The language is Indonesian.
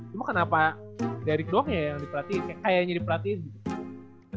cuma kenapa derek doang ya yang diperhatiin kayak kayaknya diperhatiin gitu